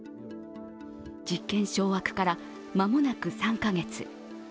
実権掌握から間もなく３カ月。